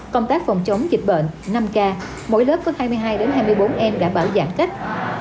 công tác phòng chống dịch bệnh năm k mỗi lớp có hai mươi hai hai mươi bốn em đã bảo giảm cách